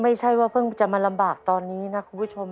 ไม่ใช่ว่าเพิ่งจะมาลำบากตอนนี้นะคุณผู้ชม